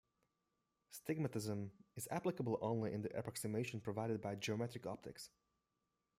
Stigmatism is applicable only in the approximation provided by geometric optics.